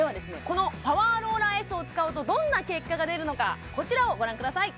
このパワーローラーＳを使うとどんな結果が出るのかこちらをご覧ください